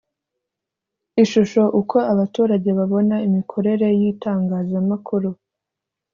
Ishusho Uko abaturage babona imikorere y itangazamakuru